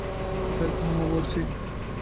এই গাড়ি থামাও বলছি!